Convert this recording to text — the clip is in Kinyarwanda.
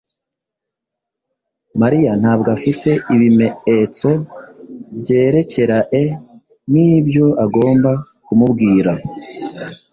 Mariya ntabwo afite ibimeetso byerekerae nibyo agomba kumubwira.